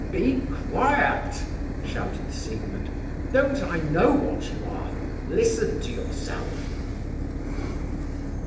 "Be quiet!" shouted Siegmund. "Don't I know what you are? Listen to yourself!"